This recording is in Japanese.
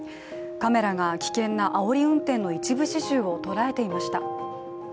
カメラが危険なあおり運転の一部始終を捉えていました。